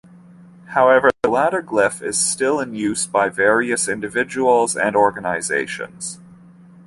However, the latter glyph is still in use by various individuals and organizations.